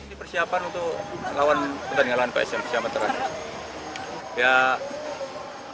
ini persiapan untuk lawan penyelenggaraan